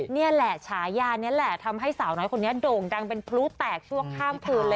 นี่แหละฉายานี้แหละทำให้สาวน้อยคนนี้โด่งดังเป็นพลุแตกชั่วข้ามคืนเลย